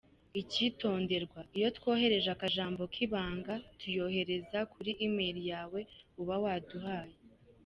Icyitonderwa: Iyo twohereje akajambo k’ibanga tuyohereza kuri e-mail yawe uba waduhaye.